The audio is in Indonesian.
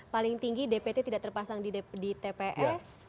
paling tinggi dpt tidak terpasang di tps